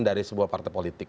dari sebuah partai politik